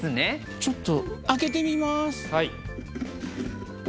ちょっと開けてみまーすう